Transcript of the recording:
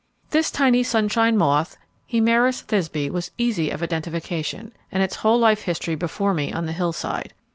This tiny sunshine moth, Hemaris Thysbe, was easy of identification, and its whole life history before me on the hillside.